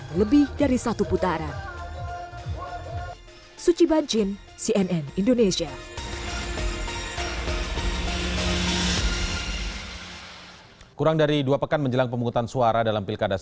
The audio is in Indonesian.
kendaki tak bisa dijadikan sumber orientasi masyarakat